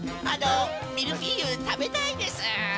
あのミルフィーユたべたいです！